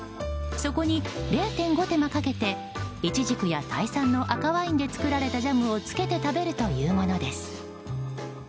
そこに０．５手間かけてイチジクや、タイ産の赤ワインで作られたジャムをつけて食べるというものです。